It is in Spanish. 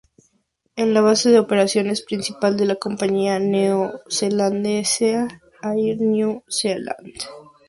Es la base de operaciones principal de la compañía neozelandesa Air New Zealand.